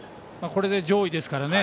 これで上位ですからね。